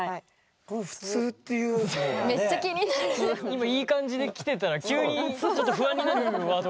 今いい感じできてたら急にちょっと不安になるワードが。